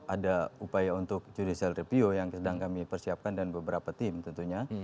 ada upaya untuk judicial review yang sedang kami persiapkan dan beberapa tim tentunya